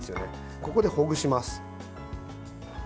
ここで、ほぐします。